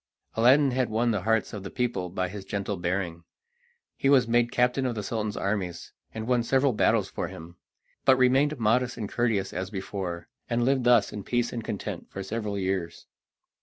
Aladdin had won the hearts of the people by his gentle bearing. He was made captain of the Sultan's armies, and won several battles for him, but remained modest and courteous as before, and lived thus in peace and content for several years.